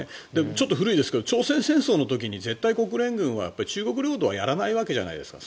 ちょっと古いですけど朝鮮戦争の時に絶対、国連軍は中国領土はやらないわけじゃないですか。